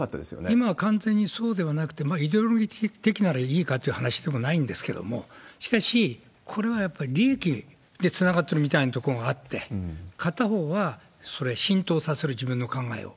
今は完全にそうではなくて、イデオロギー的ならいいかという話でもあるんですけれども、しかし、これはやっぱり利益でつながってるみたいなところがあって、片方は、それ、浸透させる、自分の考えを。